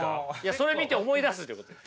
それ見て思い出すってことです。